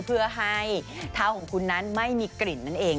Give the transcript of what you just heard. เพื่อให้เท้าของคุณนั้นไม่มีกลิ่นนั่นเอง